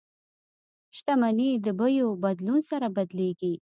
شتمني د بیو بدلون سره بدلیږي.